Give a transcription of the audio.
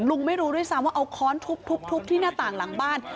ไม่รู้ด้วยซ้ำว่าเอาค้อนทุบที่หน้าต่างหลังบ้าน